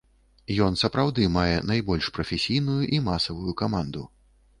Ён сапраўды мае найбольш прафесійную і масавую каманду.